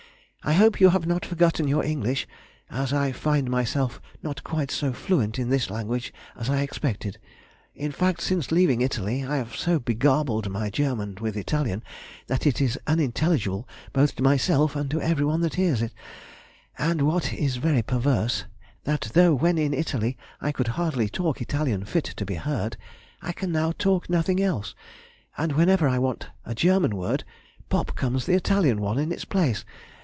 I hope you have not forgotten your English, as I find myself not quite so fluent in this language as I expected. In fact, since leaving Italy, I have so begarbled my German with Italian that it is unintelligible both to myself and to everyone that hears it; and what is very perverse, that though when in Italy I could hardly talk Italian fit to be heard, I can now talk nothing else, and whenever I want a German word, pop comes the Italian one in its place.